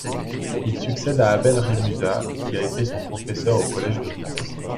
Il succède à Abel Rémusat, qui a été son professeur, au Collège de France.